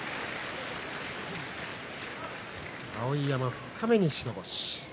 碧山、二日目に白星。